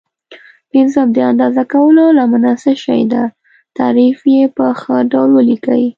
پنځم: د اندازه کولو لمنه څه شي ده؟ تعریف یې په ښه ډول ولیکئ.